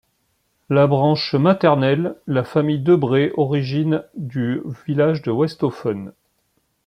La branche maternelles, la famille Debré origine du village de Westhoffen.